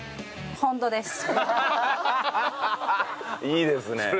いいですね。